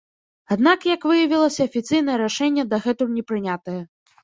Аднак, як выявілася, афіцыйнае рашэнне дагэтуль не прынятае.